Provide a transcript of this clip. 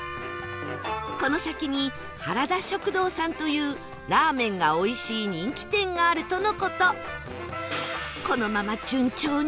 この先にはらだ食堂さんというラーメンが美味しい人気店があるとの事